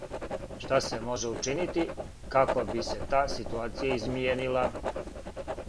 Шта се може учинити како би се та ситуација измијенила?